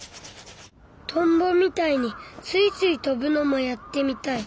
トンボみたいにスイスイ飛ぶのもやってみたい。